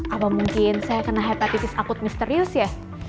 apa mungkin saya kena hepatitis akut misterius ya